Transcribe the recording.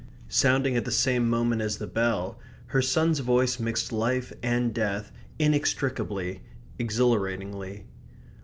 Sounding at the same moment as the bell, her son's voice mixed life and death inextricably, exhilaratingly.